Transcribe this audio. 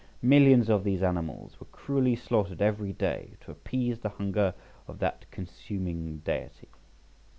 Millions of these animals were cruelly slaughtered every day to appease the hunger of that consuming deity.